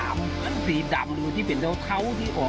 อันนั้นไม่ต้องคุณเดี๋ยวว่าอะไร